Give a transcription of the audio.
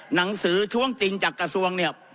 หนังสือท้วงติงจากกระทรวงเนี่ย